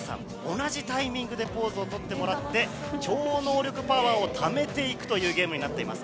同じタイミングでポーズをとってもらって超能力パワーをためていくというゲームになっております。